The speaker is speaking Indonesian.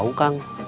gak tau kang